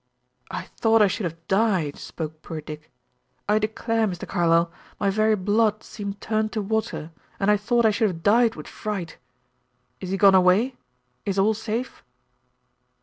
"I thought I should have died," spoke poor Dick. "I declare, Mr. Carlyle, my very blood seemed turned to water, and I thought I should have died with fright. Is he gone away is all safe?"